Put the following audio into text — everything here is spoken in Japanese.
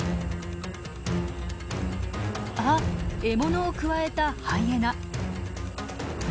あっ獲物をくわえたハイエナ。